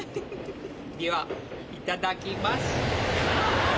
ではいただきます。